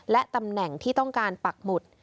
และตำแหน่งที่ต้องการปักหมุด